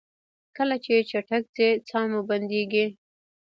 کله چې چټک ځئ ساه مو بندیږي؟